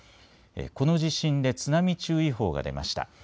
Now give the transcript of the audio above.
この地震で津波注意報が出ました。